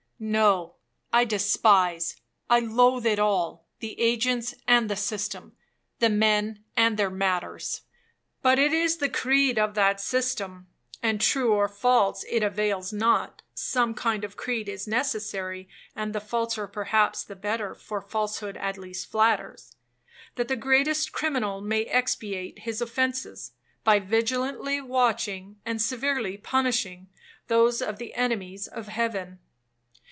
No, I despise—I loathe it all, the agents and the system,—the men and their matters. But it is the creed of that system, (and true or false it avails not,—some kind of creed is necessary, and the falser perhaps the better, for falsehood at least flatters), that the greatest criminal may expiate his offences, by vigilantly watching, and severely punishing, those of the enemies of heaven.